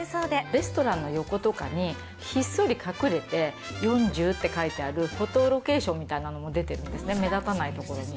レストランの横とかに、ひっそり隠れて、４０って書いてあるフォトロケーションみたいなのも出てるんですね、目立たない所に。